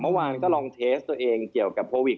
เมื่อวานก็ลองเทสตัวเองเกี่ยวกับโควิด